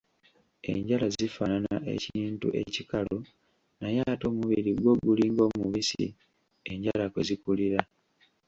Enjala zifaanana ekintu ekikalu, naye ate omubiri gwo gulinga omubisi enjala kwe zikulira.